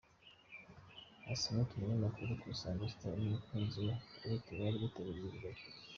Assoumpta umunyamakuru ku Isango Star n'umukunzi we Eric bari bitabiriye ibi birori.